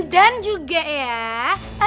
dan juga ya